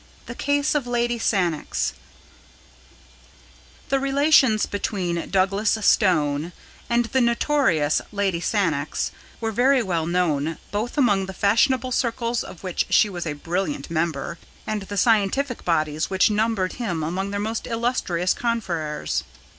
The Case of Lady Sannox The relations between Douglas Stone and the notorious Lady Sannox were very well known both among the fashionable circles of which she was a brilliant member, and the scientific bodies which numbered him among their most illustrious confreres.